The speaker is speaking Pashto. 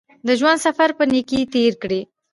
د ژوند سفر په نېکۍ تېر کړئ.